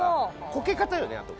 コケ方よねあと。